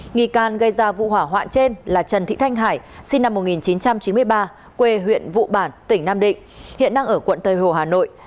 nghi can gây ra vụ hỏa hoạn trên là trần thị thanh hải sinh năm một nghìn chín trăm chín mươi ba quê huyện vụ bản tỉnh nam định hiện đang ở quận tây hồ hà nội